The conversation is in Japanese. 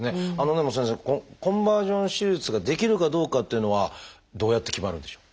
でも先生このコンバージョン手術ができるかどうかっていうのはどうやって決まるんでしょう？